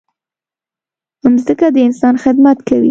مځکه د انسان خدمت کوي.